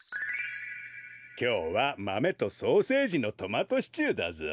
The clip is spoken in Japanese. きょうはマメとソーセージのトマトシチューだぞ。